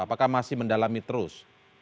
apakah masih mendalami terus